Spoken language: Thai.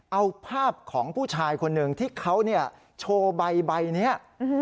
เอาภาพของผู้ชายคนหนึ่งที่เขาโชว์ใบนี้